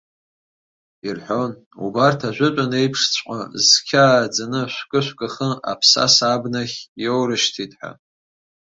Ирҳәон, убарҭ ажәытәан еиԥшҵәҟьа, зқьы ааӡаны, шәкы-шәкы хы аԥсаса абнахь иоурышьҭит ҳәа.